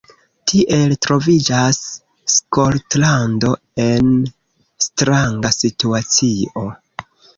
Tiel troviĝas Skotlando en stranga situacio.